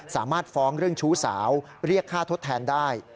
สามารถฟ้องเรื่องชู้สาวเรียกค่าทดแทนได้